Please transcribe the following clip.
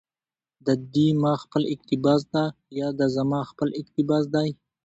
دا دي ما خپل اقتباس ده، يا دا زما خپل اقتباس دى